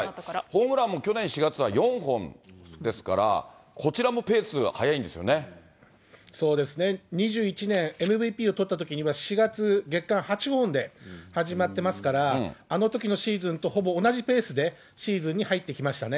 ホームランも去年４月は４本ですから、こちらもペース、そうですね、２１年、ＭＶＰをとったときには４月、月間８本で始まってますから、あのときのシーズンとほぼ同じペースでシーズンに入ってきましたね。